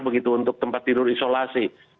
begitu untuk tempat tidur isolasi